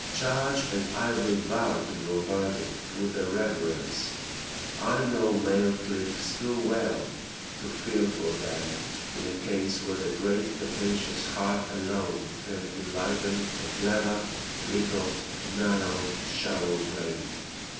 Judge and I will bow to your verdict with a reverence I know male cliques too well to feel for them in a case where the great capacious heart alone can enlighten the clever, little, narrow, shallow brain.